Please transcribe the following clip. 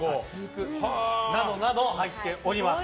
などなど入っております。